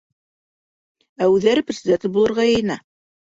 Ә үҙҙәре председатель булырға йыйына.